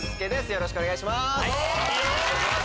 よろしくお願いします。